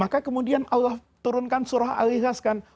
maka kemudian allah turunkan surah al ikhlas kan